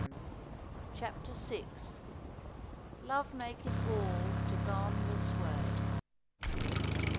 CHAPTER VI. ' UyVK MAKETII ALL TO GONE MISWAY.'